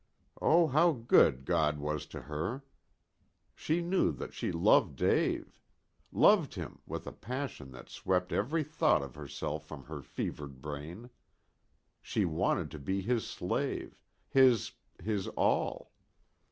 Oh, how good God was to her. She knew that she loved Dave. Loved him with a passion that swept every thought of herself from her fevered brain. She wanted to be his slave; his his all.